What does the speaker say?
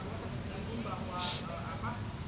terima kasih pak prabu